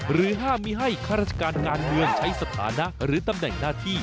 ห้ามมีให้ข้าราชการการเมืองใช้สถานะหรือตำแหน่งหน้าที่